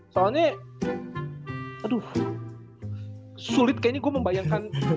soalnya aduh sulit kayaknya gue membayangkan